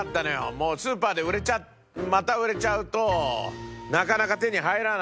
もうスーパーで売れちゃうまた売れちゃうとなかなか手に入らないので。